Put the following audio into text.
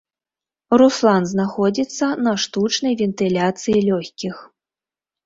Руслан знаходзіцца на штучнай вентыляцыі лёгкіх.